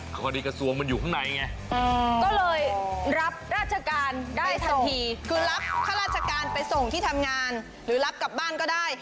ก็เลยรับราชการไปส่งคือรับข้าราชการไปส่งที่ทำงานหรือรับกลับบ้านก็ได้